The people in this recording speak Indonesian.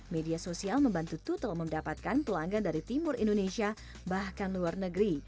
media sosial membantu two telah mendapatkan pelanggan dari timur indonesia bahkan luar negeri